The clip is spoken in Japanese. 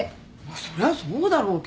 それはそうだろうけど。